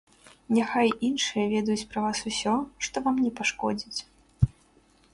Няхай іншыя ведаюць пра вас усё, што вам не пашкодзіць.